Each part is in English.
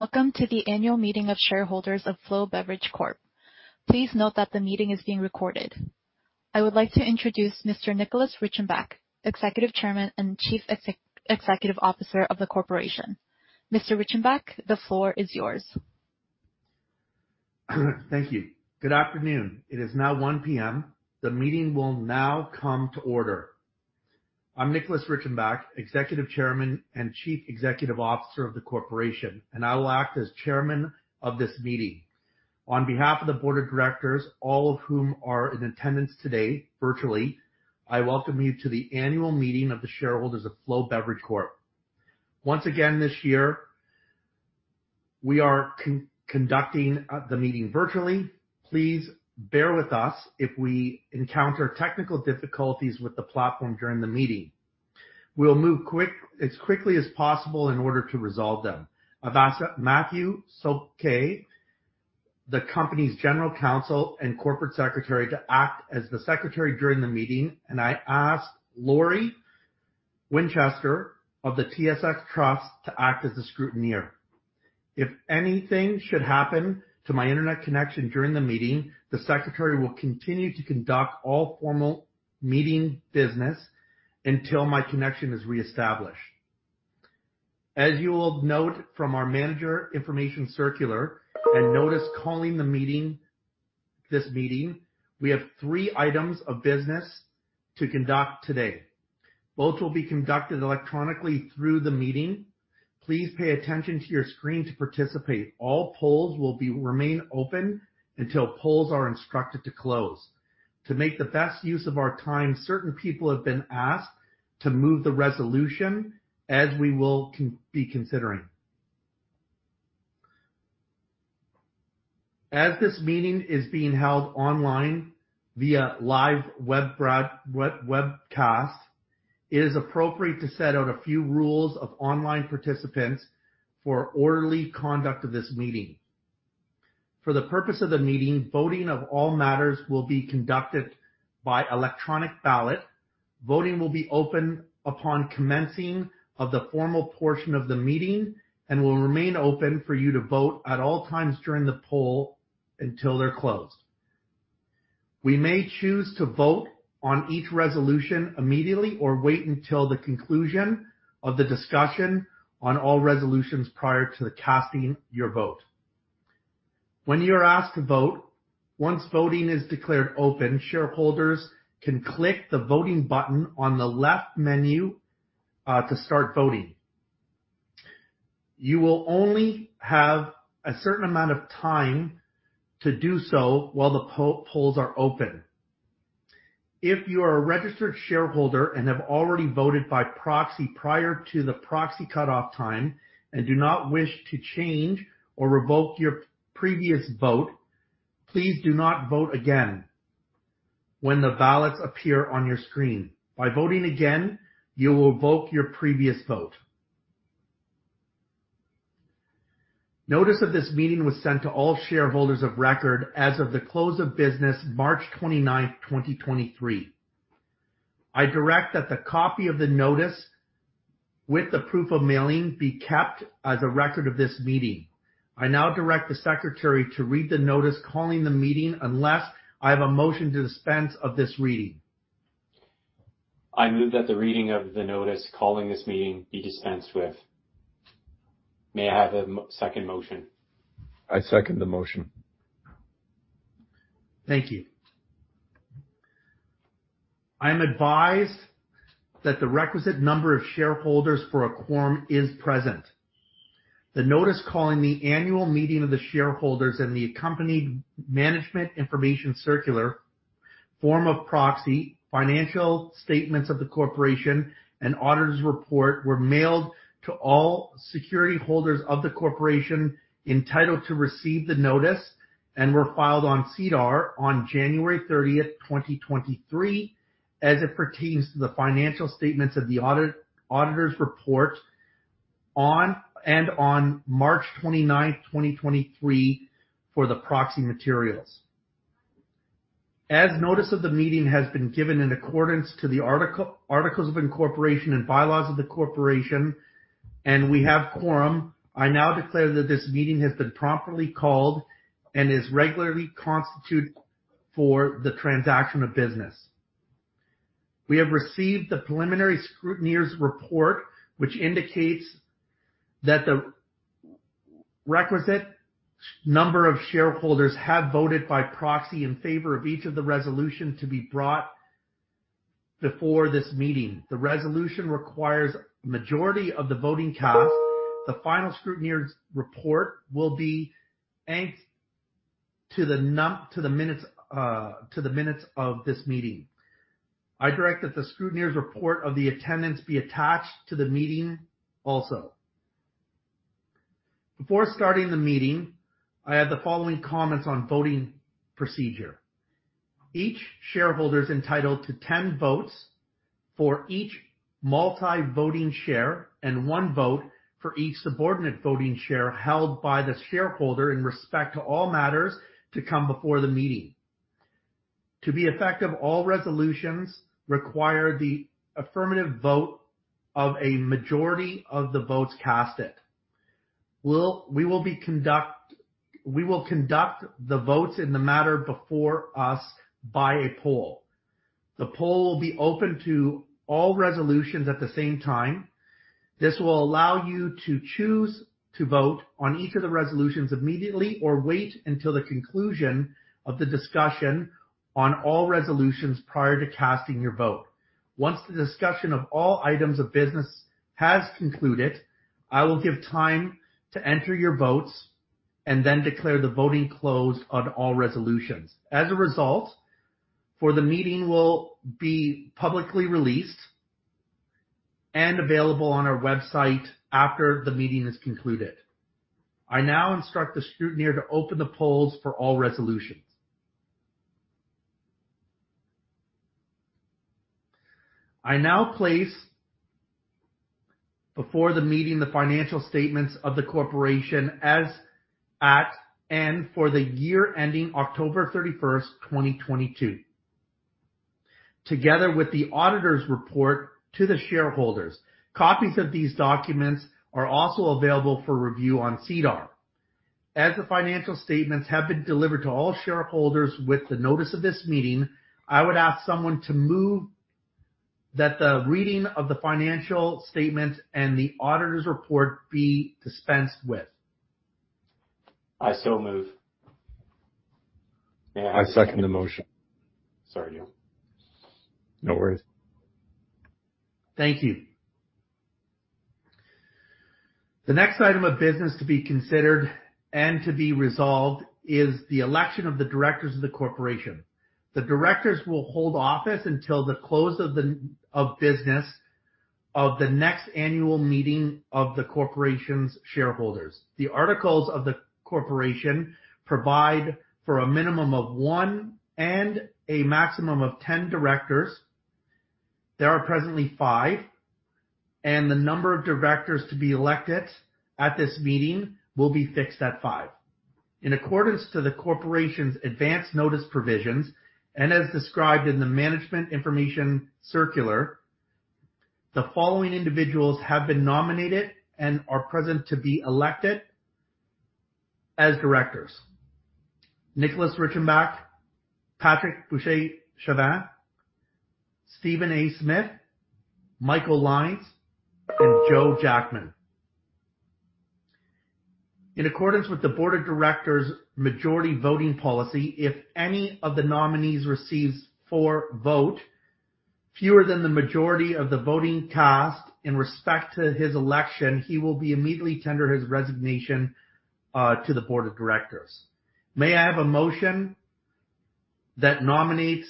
Welcome to the annual meeting of shareholders of Flow Beverage Corp. Please note that the meeting is being recorded. I would like to introduce Mr. Nicholas Reichenbach, Executive Chairman and Chief Executive Officer of the corporation. Mr. Reichenbach, the floor is yours. Thank you. Good afternoon. It is now 1:00 P.M. The meeting will now come to order. I'm Nicholas Reichenbach, Executive Chairman and Chief Executive Officer of the corporation. I will act as chairman of this meeting. On behalf of the board of directors, all of whom are in attendance today virtually, I welcome you to the annual meeting of the shareholders of Flow Beverage Corp. Once again, this year, we are conducting the meeting virtually. Please bear with us if we encounter technical difficulties with the platform during the meeting. We'll move quick, as quickly as possible in order to resolve them. I've asked Mathieu Socque, the company's General Counsel and Corporate Secretary, to act as the secretary during the meeting. I ask Lori Winchester of the TSX Trust to act as the scrutineer. If anything should happen to my internet connection during the meeting, the secretary will continue to conduct all formal meeting business until my connection is reestablished. As you will note from our manager information circular and notice calling the meeting, we have three items of business to conduct today. Votes will be conducted electronically through the meeting. Please pay attention to your screen to participate. All polls will remain open until polls are instructed to close. To make the best use of our time, certain people have been asked to move the resolution as we will be considering. As this meeting is being held online via live webcast, it is appropriate to set out a few rules of online participants for orderly conduct of this meeting. For the purpose of the meeting, voting of all matters will be conducted by electronic ballot. Voting will be open upon commencing of the formal portion of the meeting and will remain open for you to vote at all times during the poll until they're closed. We may choose to vote on each resolution immediately or wait until the conclusion of the discussion on all resolutions prior to the casting your vote. When you are asked to vote, once voting is declared open, shareholders can click the Voting button on the left menu to start voting. You will only have a certain amount of time to do so while the polls are open. If you are a registered shareholder and have already voted by proxy prior to the proxy cutoff time and do not wish to change or revoke your previous vote, please do not vote again when the ballots appear on your screen. By voting again, you will revoke your previous vote. Notice of this meeting was sent to all shareholders of record as of the close of business March 29th, 2023. I direct that the copy of the notice with the proof of mailing be kept as a record of this meeting. I now direct the secretary to read the notice calling the meeting, unless I have a motion to dispense of this reading. I move that the reading of the notice calling this meeting be dispensed with. May I have a second motion? I second the motion. Thank you. I am advised that the requisite number of shareholders for a quorum is present. The notice calling the annual meeting of the shareholders and the accompanied management information circular, form of proxy, financial statements of the corporation, and auditor's report were mailed to all security holders of the corporation entitled to receive the notice and were filed on SEDAR on 30th January 2023, as it pertains to the financial statements of the auditor's report on and on 29th March 2023 for the proxy materials. As notice of the meeting has been given in accordance to the articles of incorporation and bylaws of the corporation, and we have quorum, I now declare that this meeting has been properly called and is regularly constituted for the transaction of business. We have received the preliminary scrutineer's report, which indicates that the requisite number of shareholders have voted by proxy in favor of each of the resolutions to be brought before this meeting. The resolution requires majority of the voting cast. The final scrutineer's report will be annexed to the minutes of this meeting. I direct that the scrutineer's report of the attendance be attached to the meeting also. Before starting the meeting, I have the following comments on voting procedure. Each shareholder is entitled to 10 votes for each multiple voting share and one vote for each subordinate voting share held by the shareholder in respect to all matters to come before the meeting. To be effective, all resolutions require the affirmative vote of a majority of the votes casted. We will conduct the votes in the matter before us by a poll. The poll will be open to all resolutions at the same time. This will allow you to choose to vote on each of the resolutions immediately or wait until the conclusion of the discussion on all resolutions prior to casting your vote. Once the discussion of all items of business has concluded, I will give time to enter your votes and then declare the voting closed on all resolutions. As a result, for the meeting will be publicly released and available on our website after the meeting is concluded. I now instruct the scrutineer to open the polls for all resolutions. I now place before the meeting the financial statements of the corporation as at and for the year ending 31st October 2022, together with the auditor's report to the shareholders. Copies of these documents are also available for review on SEDAR. As the financial statements have been delivered to all shareholders with the notice of this meeting, I would ask someone to move that the reading of the financial statements and the auditor's report be dispensed with. I so move. I second the motion. Sorry, Neil. No worries. Thank you. The next item of business to be considered and to be resolved is the election of the directors of the corporation. The directors will hold office until the close of business of the next annual meeting of the corporation's shareholders. The articles of the corporation provide for a minimum of 1 and a maximum of 10 directors. There are presently five, and the number of directors to be elected at this meeting will be fixed at five. In accordance to the corporation's advanced notice provisions and as described in the management information circular, the following individuals have been nominated and are present to be elected as directors. Nicholas Reichenbach, Patrick Bousquet-Chavanne, Stephen A. Smith, Michael Lines, and Joe Jackman. In accordance with the board of directors majority voting policy, if any of the nominees receives four vote, fewer than the majority of the voting cast in respect to his election, he will be immediately tender his resignation to the board of directors. May I have a motion that nominates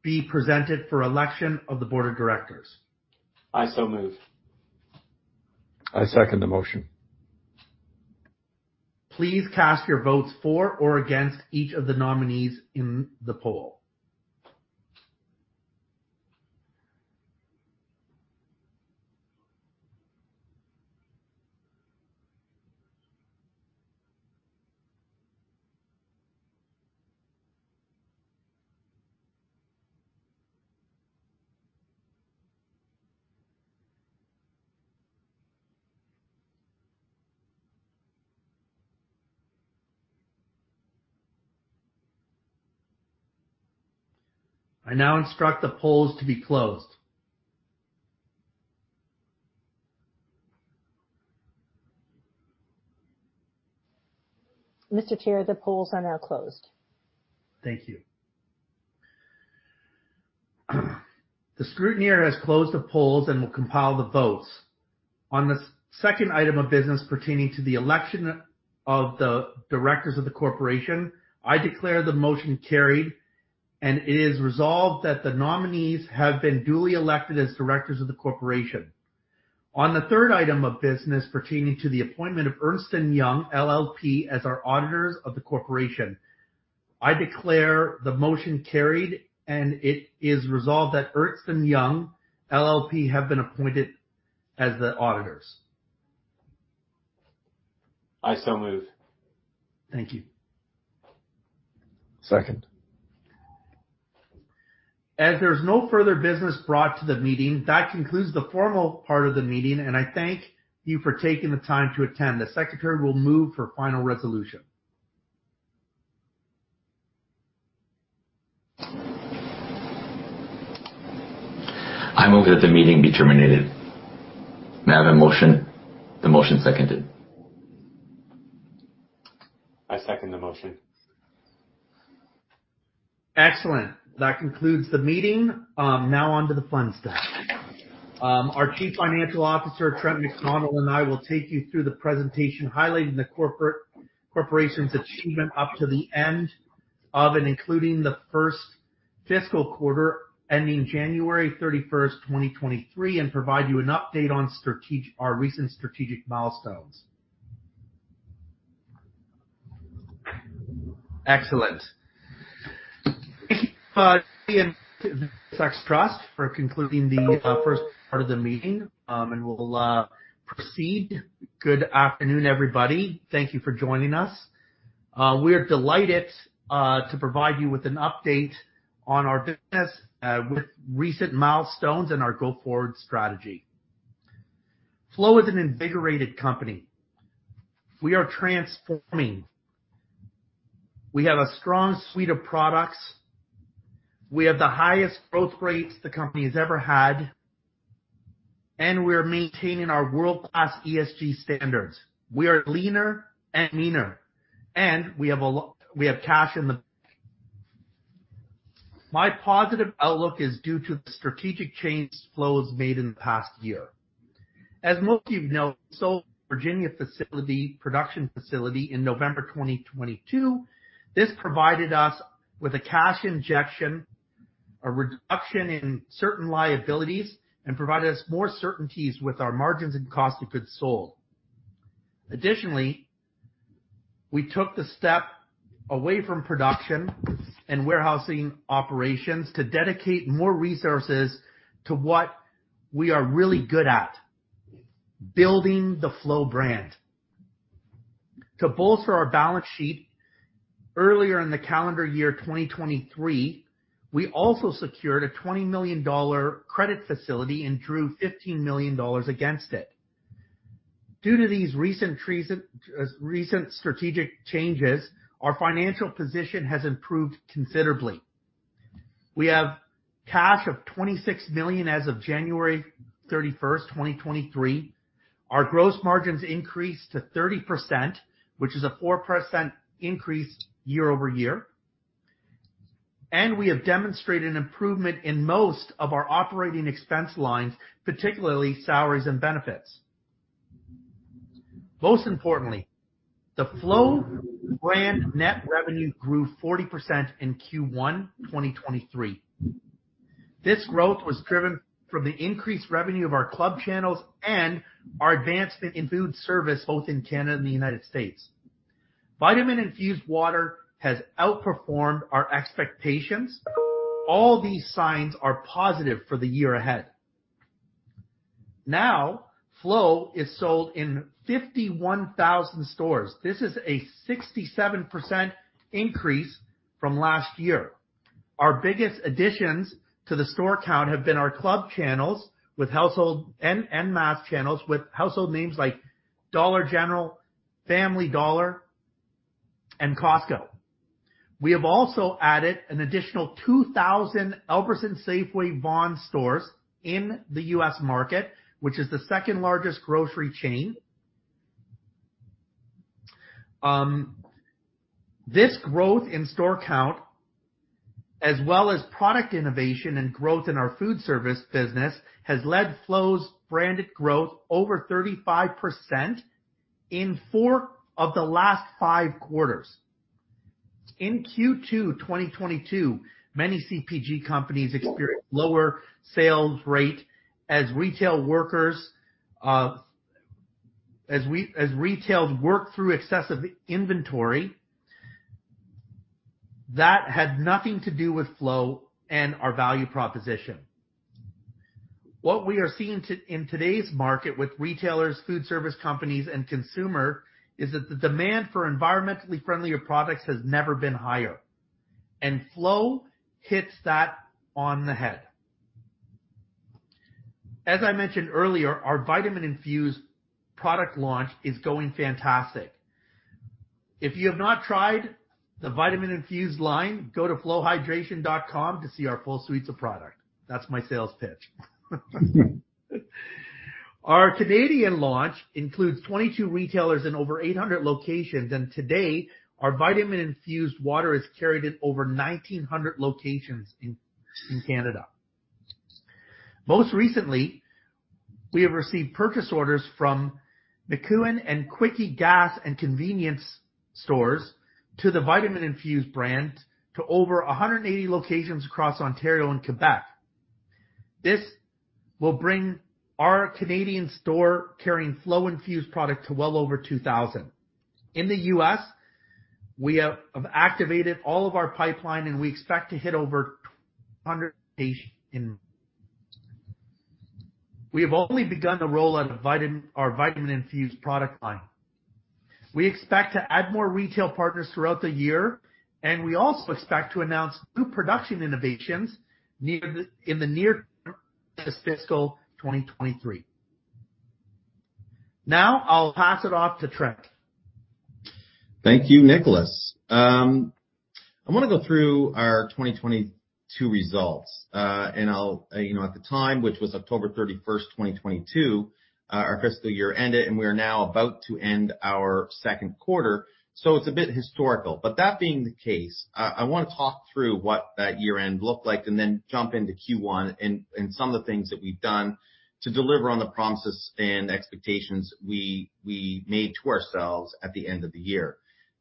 be presented for election of the board of directors? I so move. I second the motion. Please cast your votes for or against each of the nominees in the poll. I now instruct the polls to be closed. Mr. Chair, the polls are now closed. Thank you. The scrutineer has closed the polls and will compile the votes. On the second item of business pertaining to the election of the directors of the corporation, I declare the motion carried, and it is resolved that the nomineeshave been duly elected as directors of the corporation. On the third item of business pertaining to the appointment of Ernst & Young LLP as our auditors of the corporation, I declare the motion carried, and it is resolved that Ernst & Young LLP have been appointed as the auditors. I so move. Thank you. Second. As there is no further business brought to the meeting, that concludes the formal part of the meeting, and I thank you for taking the time to attend. The secretary will move for final resolution. I move that the meeting be terminated. May I have a motion? The motion seconded. I second the motion. Excellent. That concludes the meeting. Now on to the fun stuff. Our Chief Financial Officer, Trent MacDonald, and I will take you through the presentation, highlighting the corporation's achievement up to the end of and including the first fiscal quarter ending 31st January 2023, and provide you an update on our recent strategic milestones. Excellent. Thank you. trust for concluding the first part of the meeting, we'll proceed. Good afternoon, everybody. Thank you for joining us. We are delighted to provide you with an update on our business with recent milestones and our go-forward strategy. Flow is an invigorated company. We are transforming. We have a strong suite of products. We have the highest growth rates the company's ever had, and we're maintaining our world-class ESG standards. We are leaner and meaner, and we have cash in the. My positive outlook is due to the strategic changes Flow has made in the past year. As most of you know, sold Virginia facility, production facility in November 2022. This provided us with a cash injection, a reduction in certain liabilities, and provided us more certainties with our margins and cost of goods sold. We took the step away from production and warehousing operations to dedicate more resources to what we are really good at, building the Flow brand. To bolster our balance sheet, earlier in the calendar year 2023, we also secured a 20 million dollar credit facility and drew 15 million dollars against it. Due to these recent strategic changes, our financial position has improved considerably. We have cash of 26 million as of 31st January 2023. Our gross margins increased to 30%, which is a 4% increase year-over-year. We have demonstrated an improvement in most of our operating expense lines, particularly salaries and benefits. Most importantly, the Flow brand net revenue grew 40% in Q1, 2023. This growth was driven from the increased revenue of our club channels and our advancement in food service, both in Canada and the United States. Vitamin Infused Water has outperformed our expectations. All these signs are positive for the year ahead. Flow is sold in 51,000 stores. This is a 67% increase from last year. Our biggest additions to the store count have been our club channels and mass channels with household names like Dollar General, Family Dollar, and Costco. We have also added an additional 2,000 Albertsons Safeway Vons stores in the US market, which is the second largest grocery chain. This growth in store count, as well as product innovation and growth in our food service business, has led Flow's branded growth over 35% in four of the last five quarters. In Q2 2022, many CPG companies experienced lower sales rate as retail work through excessive inventory. That had nothing to do with Flow and our value proposition. What we are seeing in today's market with retailers, food service companies, and consumer, is that the demand for environmentally friendlier products has never been higher. Flow hits that on the head. As I mentioned earlier, our Vitamin-Infused product launch is going fantastic. If you have not tried the Vitamin-Infused line, go to flowhydration.com to see our full suites of product. That's my sales pitch. Our Canadian launch includes 22 retailers in over 800 locations. Today, our Vitamin-Infused Water is carried in over 1,900 locations in Canada. Most recently, we have received purchase orders from MacEwen and Quickie gas and convenience stores to the Vitamin-Infused brand to over 180 locations across Ontario and Quebec.This will bring our Canadian store carrying Flow Infused product to well over 2,000. In the US, we have activated all of our pipeline, and we expect to hit over 200 stations in. We have only begun the roll out of our Vitamin Infused Water product line. We expect to add more retail partners throughout the year, and we also expect to announce new production innovations in the near fiscal 2023. Now, I'll pass it off to Trent. Thank you, Nicholas. I wanna go through our 2022 results. I'll, you know, at the time, which was 31st October 2022, our fiscal year ended, and we are now about to end our second quarter, so it's a bit historical. That being the case, I wanna talk through what that year-end looked like and then jump into Q1 and some of the things that we've done to deliver on the promises and expectations we made to ourselves at the end of the year.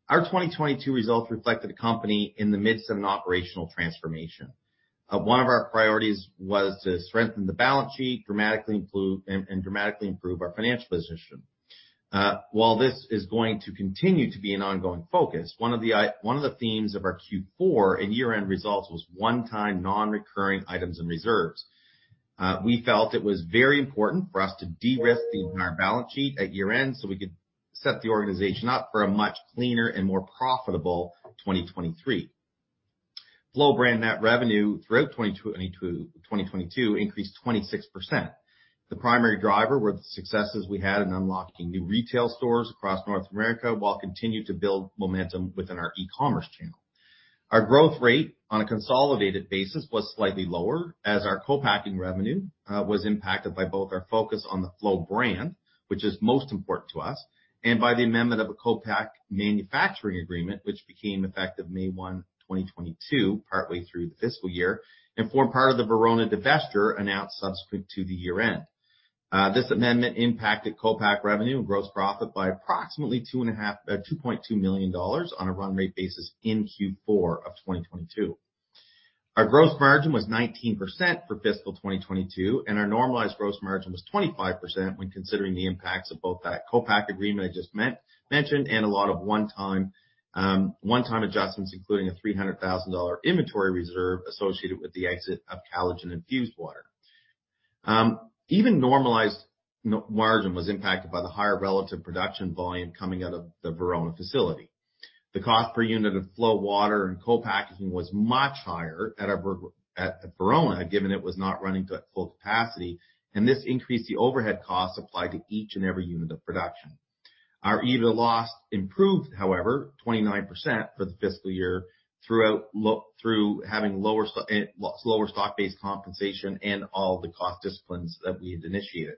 Our 2022 results reflected a company in the midst of an operational transformation. One of our priorities was to strengthen the balance sheet, dramatically and dramatically improve our financial position. While this is going to continue to be an ongoing focus, one of the themes of our Q4 and year-end results was one-time non-recurring items and reserves. We felt it was very important for us to de-risk the entire balance sheet at year-end. Set the organization up for a much cleaner and more profitable 2023. Flow brand net revenue throughout 2022 increased 26%. The primary driver were the successes we had in unlocking new retail stores across North America, while continuing to build momentum within our e-commerce channel. Our growth rate on a consolidated basis was slightly lower, as our co-packing revenue was impacted by both our focus on the Flow brand, which is most important to us, and by the amendment of a co-pack manufacturing agreement, which became effective 1st May, 2022, partway through the fiscal year, and formed part of the Verona divestiture announced subsequent to the year-end. This amendment impacted co-pack revenue and gross profit by approximately 2.2 million dollars on a run rate basis in Q4 of 2022. Our gross margin was 19% for fiscal 2022, and our normalized gross margin was 25% when considering the impacts of both that co-pack agreement I just mentioned, and a lot of one-time, one-time adjustments, including a 300,000 dollar inventory reserve associated with the exit of Flow Collagen-Infused Water. Even normalized n-margin was impacted by the higher relative production volume coming out of the Verona facility. The cost per unit of Flow water and co-packaging was much higher at our at Verona, given it was not running at full capacity, and this increased the overhead costs applied to each and every unit of production. Our EBITDA loss improved, however, 29% for the fiscal year through having lower stock-based compensation and all the cost disciplines that we had initiated.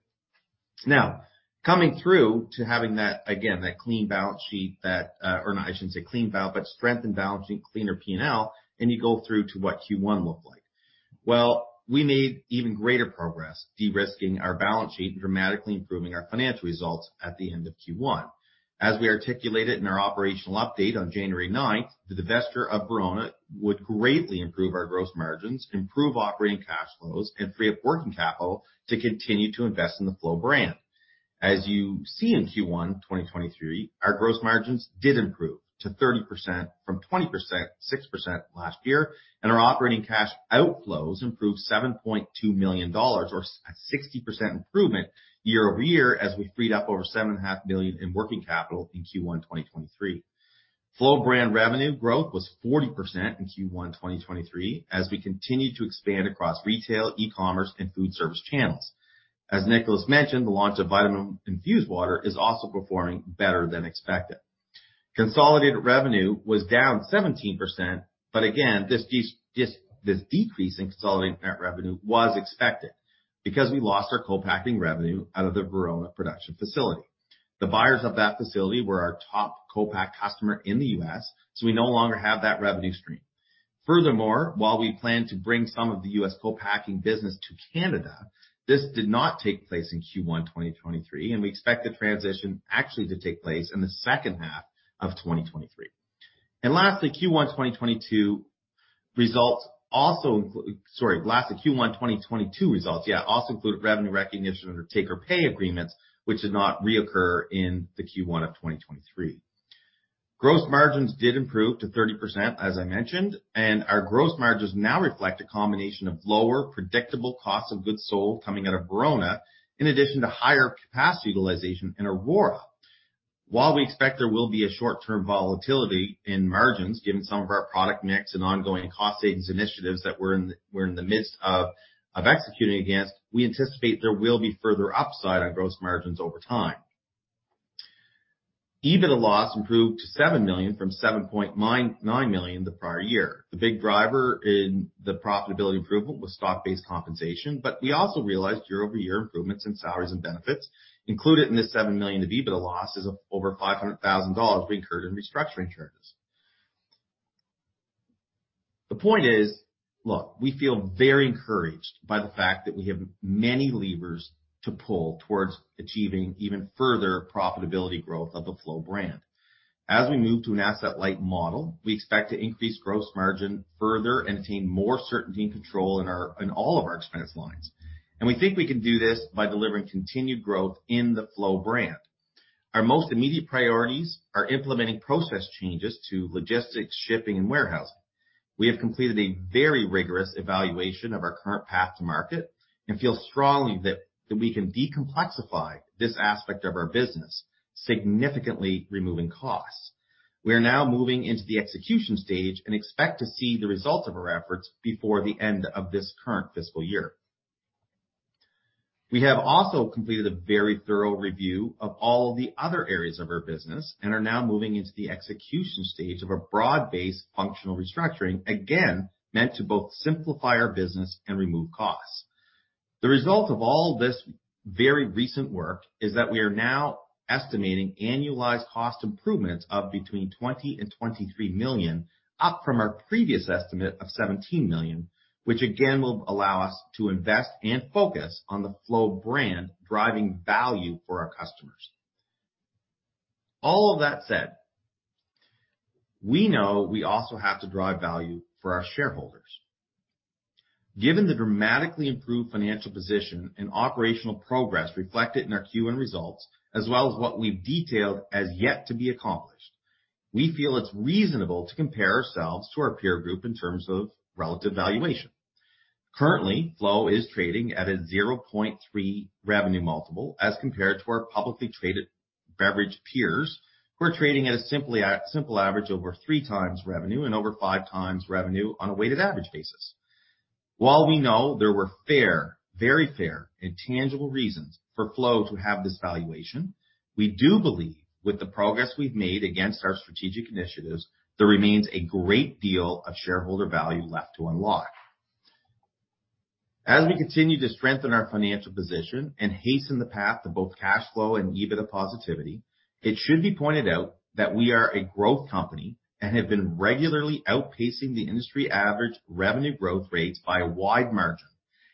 Coming through to having that, again, that clean balance sheet, or I shouldn't say clean bal but strengthened balance sheet, cleaner P&L, you go through to what Q1 looked like. We made even greater progress de-risking our balance sheet and dramatically improving our financial results at the end of Q1. As we articulated in our operational update on January 9th, the divestiture of Verona would greatly improve our gross margins, improve operating cash flows, and free up working capital to continue to invest in the Flow brand. As you see in Q1 2023, our gross margins did improve to 30% from 20%, 6% last year, and our operating cash outflows improved $7.2 million or 60% improvement year-over-year as we freed up over $7.5 million in working capital in Q1 2023. Flow brand revenue growth was 40% in Q1 2023, as we continued to expand across retail, e-commerce, and food service channels. As Nicholas mentioned, the launch of Vitamin Infused Water is also performing better than expected. Consolidated revenue was down 17%. Again, this decrease in consolidated net revenue was expected because we lost our co-packing revenue out of the Verona production facility. The buyers of that facility were our top co-pack customer in the U.S. we no longer have that revenue stream. Furthermore, while we plan to bring some of the U.S. co-packing business to Canada, this did not take place in Q1 2023. We expect the transition actually to take place in the second half of 2023. Lastly, sorry, last of Q1 2022 results, yeah, also included revenue recognition under take or pay agreements, which did not reoccur in the Q1 of 2023. Gross margins did improve to 30%, as I mentioned. Our gross margins now reflect a combination of lower predictable cost of goods sold coming out of Verona, in addition to higher capacity utilization in Aurora. While we expect there will be a short-term volatility in margins, given some of our product mix and ongoing cost savings initiatives that we're in the midst of executing against, we anticipate there will be further upside on gross margins over time. EBITDA loss improved to 7 million from 7.99 million the prior year. The big driver in the profitability improvement was stock-based compensation. We also realized year-over-year improvements in salaries and benefits. Included in this 7 million of EBITDA loss is over 500,000 dollars we incurred in restructuring charges. The point is, look, we feel very encouraged by the fact that we have many levers to pull towards achieving even further profitability growth of the Flow brand. As we move to an asset-light model, we expect to increase gross margin further and attain more certainty and control in all of our expense lines, we think we can do this by delivering continued growth in the Flow brand. Our most immediate priorities are implementing process changes to logistics, shipping, and warehousing. We have completed a very rigorous evaluation of our current path to market and feel strongly that we can decomplexify this aspect of our business, significantly removing costs. We are now moving into the execution stage and expect to see the results of our efforts before the end of this current fiscal year. We have also completed a very thorough review of all the other areas of our business and are now moving into the execution stage of a broad-based functional restructuring, again, meant to both simplify our business and remove costs. The result of all this very recent work is that we are now estimating annualized cost improvements of between 20 million and 23 million, up from our previous estimate of 17 million, which again will allow us to invest and focus on the Flow brand driving value for our customers. All of that said, we know we also have to drive value for our shareholders. Given the dramatically improved financial position and operational progress reflected in our Q1 results, as well as what we've detailed as yet to be accomplished, we feel it's reasonable to compare ourselves to our peer group in terms of relative valuation. Currently, Flow is trading at a 0.3x revenue multiple as compared to our publicly traded beverage peers who are trading at a simple average over 3x revenue and over 5x revenue on a weighted average basis. While we know there were fair, very fair, and tangible reasons for Flow to have this valuation, we do believe with the progress we've made against our strategic initiatives, there remains a great deal of shareholder value left to unlock. As we continue to strengthen our financial position and hasten the path to both cash flow and EBITDA positivity, it should be pointed out that we are a growth company and have been regularly outpacing the industry average revenue growth rates by a wide margin.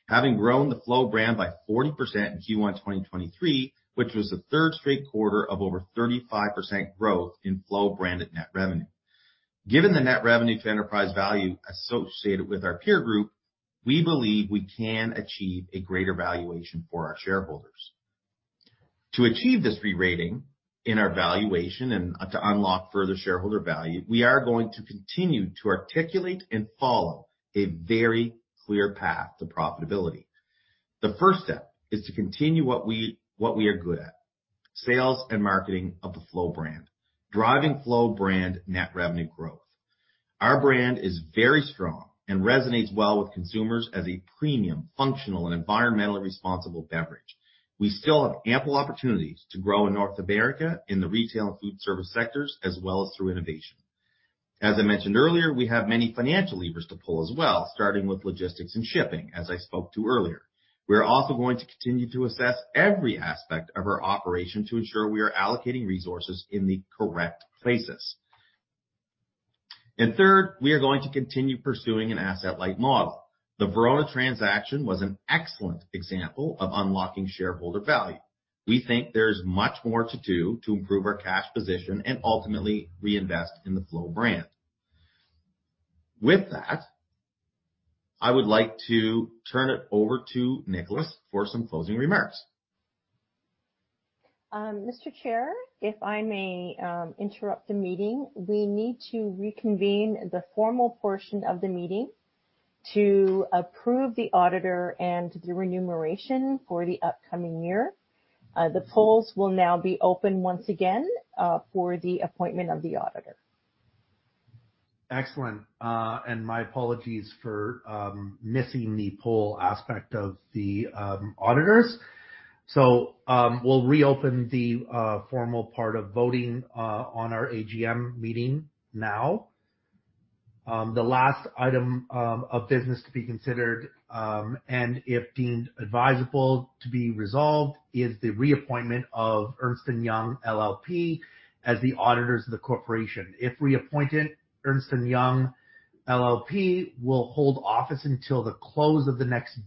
Having grown the Flow brand by 40% in Q1 2023, which was the third straight quarter of over 35% growth in Flow-branded net revenue. Given the net revenue to enterprise value associated with our peer group, we believe we can achieve a greater valuation for our shareholders. To achieve this re-rating in our valuation and to unlock further shareholder value, we are going to continue to articulate and follow a very clear path to profitability. The first step is to continue what we are good at, sales and marketing of the Flow brand, driving Flow brand net revenue growth. Our brand is very strong and resonates well with consumers as a premium, functional, and environmentally responsible beverage. We still have ample opportunities to grow in North America in the retail and food service sectors, as well as through innovation. As I mentioned earlier, we have many financial levers to pull as well, starting with logistics and shipping, as I spoke to earlier. We're also going to continue to assess every aspect of our operation to ensure we are allocating resources in the correct places. Third, we are going to continue pursuing an asset-light model. The Verona transaction was an excellent example of unlocking shareholder value. We think there is much more to do to improve our cash position and ultimately reinvest in the Flow brand. With that, I would like to turn it over to Nicholas for some closing remarks. Mr. Chair, if I may, interrupt the meeting. We need to reconvene the formal portion of the meeting to approve the auditor and the remuneration for the upcoming year. The polls will now be open once again, for the appointment of the auditor. Excellent. My apologies for missing the poll aspect of the auditors. We'll reopen the formal part of voting on our AGM meeting now. The last item of business to be considered, and if deemed advisable to be resolved, is the reappointment of Ernst & Young LLP as the auditors of the corporation. If reappointed, Ernst & Young LLP will hold office until the close of the next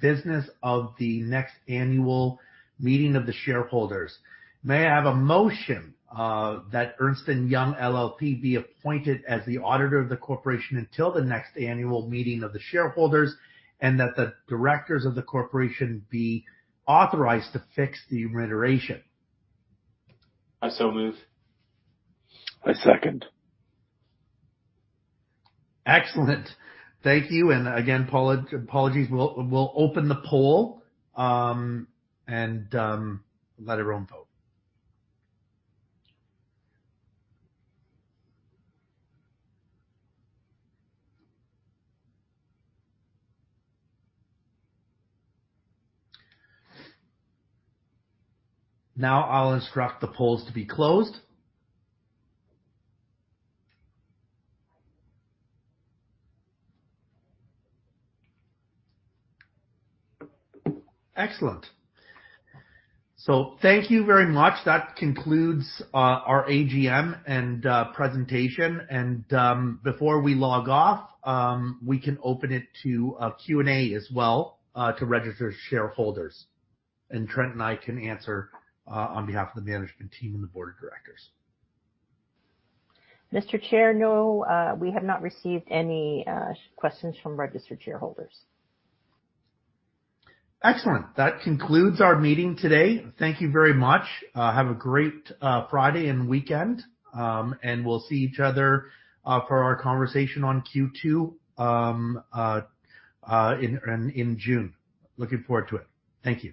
business of the next annual meeting of the shareholders. May I have a motion that Ernst & Young LLP be appointed as the auditor of the corporation until the next annual meeting of the shareholders, and that the directors of the corporation be authorized to fix the remuneration. I so move. I second. Excellent. Thank you. Again, apologies. We'll open the poll and let everyone vote. Now I'll instruct the polls to be closed. Excellent. Thank you very much. That concludes our AGM and presentation. Before we log off, we can open it to a Q&A as well to registered shareholders. Trent and I can answer on behalf of the management team and the board of directors. Mr. Chair, no, we have not received any questions from registered shareholders. Excellent. That concludes our meeting today. Thank you very much. Have a great Friday and weekend, and we'll see each other for our conversation on Q2 in June. Looking forward to it. Thank you.